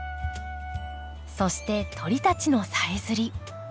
そして鳥たちのさえずり。